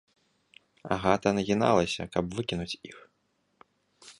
Агата нагіналася, каб выкінуць іх.